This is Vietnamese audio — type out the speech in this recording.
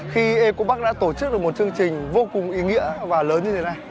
khi eco park đã tổ chức được một chương trình vô cùng ý nghĩa và lớn như thế này